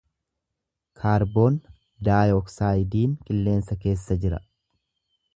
Kaarboon daayoksaayidiin qilleensa keessa jira.